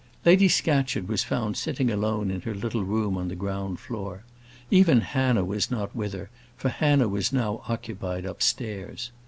Lady Scatcherd was found sitting alone in her little room on the ground floor. Even Hannah was not with her, for Hannah was now occupied upstairs.